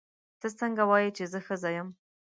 ته څنګه وایې چې زه ښځه یم.